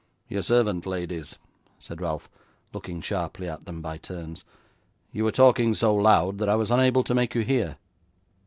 'Your servant, ladies,' said Ralph, looking sharply at them by turns. 'You were talking so loud, that I was unable to make you hear.